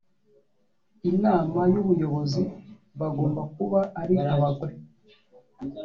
inama y ubuyobozi bagomba kuba ari abagore